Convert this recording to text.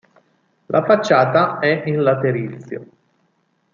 La facciata è in laterizio.